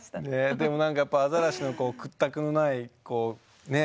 でも何ややっぱアザラシの屈託のないね